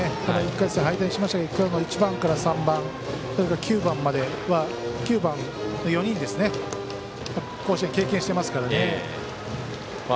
１回戦敗退しましたけど１番から３番、９番までの４人甲子園経験してますからね。